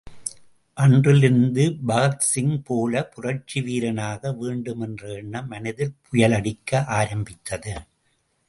அன்றிலிருந்து பகத்சிங் போல புரட்சி வீரனாக வேண்டுமென்ற எண்ணம் மனதில் புயலடிக்க ஆரம்பித்தது.